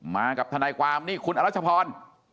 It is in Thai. มากับธนักความคุณอรุชพล